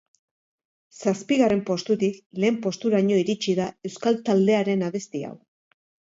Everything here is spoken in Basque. Zazpigarren postutik lehen posturaino iritsi da euskal taldearen abesti hau.